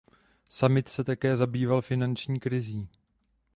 Summit se také zabýval finanční krizí.